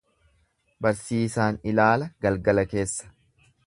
Barsiisaan ilaala galgala keessa.